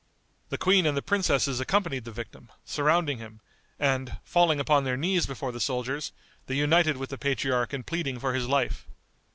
The queen and the princesses accompanied the victim, surrounding him, and, falling upon their knees before the soldiers, they united with the patriarch in pleading for his life.